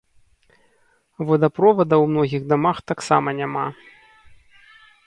Водаправода ў многіх дамах таксама няма.